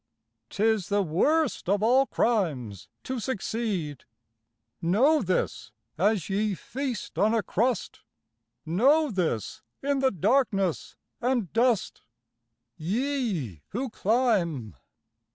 'Tis the worst of all crimes to succeed, Know this as ye feast on a crust, Know this in the darkness and dust, Ye who climb.